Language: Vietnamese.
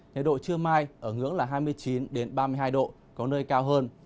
nhật độ trưa mai ở ngưỡng là hai mươi chín đến ba mươi hai độ có nơi cao hơn